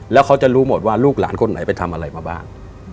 แล้วเขาจะรู้หมดว่าลูกหลานคนไหนไปทำอะไรมาบ้าง